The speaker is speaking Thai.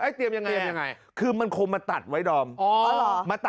ไอ้เตรียมยังไงคือมันควรมาตัดไว้ดอมอ๋อ